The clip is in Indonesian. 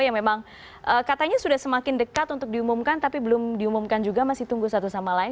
yang memang katanya sudah semakin dekat untuk diumumkan tapi belum diumumkan juga masih tunggu satu sama lain